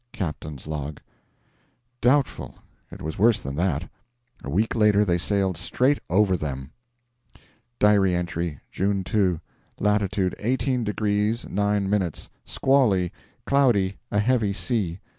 Captain's Log. Doubtful! It was worse than that. A week later they sailed straight over them. (Diary entry) June 2. Latitude 18 degrees 9 minutes. Squally, cloudy, a heavy sea....